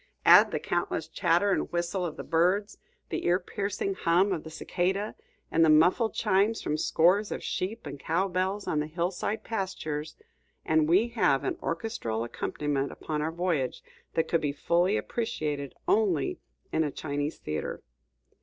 Add the countless chatter and whistle of the birds, the ear piercing hum of the cicada, and the muffled chimes from scores of sheep and cow bells on the hillside pastures, and we have an orchestral accompaniment upon our voyage that could be fully appreciated only in a Chinese theatre.